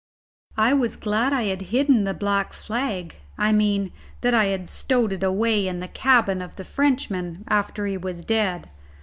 I was glad I had hidden the black flag; I mean, that I had stowed it away in the cabin of the Frenchman after he was dead.